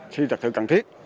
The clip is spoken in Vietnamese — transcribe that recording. khi thực sự cần thiết